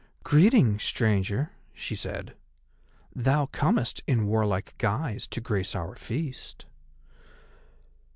"Greeting, Stranger," she said. "Thou comest in warlike guise to grace our feast."